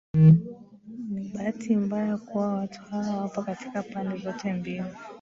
Ni bahati mbaya kuwa watu hawa wapo katika pande zote mbili